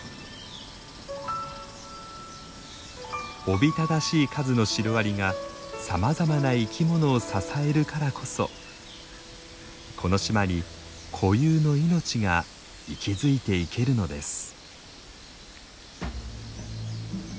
おびただしい数のシロアリがさまざまな生き物を支えるからこそこの島に固有の命が息づいていけるのです。